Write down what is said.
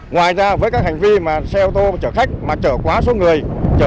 ngoài ra với các hành vi mà xe ô tô chở khách mà trở quá số người